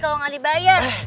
kalau gak dibayar